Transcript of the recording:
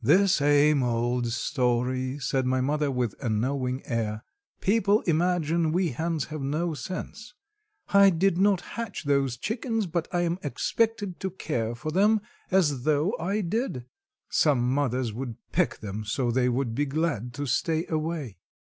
"The same old story," said my mother with a knowing air. "People imagine we hens have no sense. I did not hatch those chickens, but I am expected to care for them, as though I did. Some mothers would peck them so they would be glad to stay away."